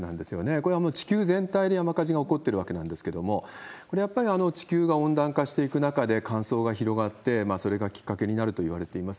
これはもう地球全体で山火事が起こってるわけなんですけれども、これやっぱり、地球が温暖化していく中で、乾燥が広がって、それがきっかけになるといわれています。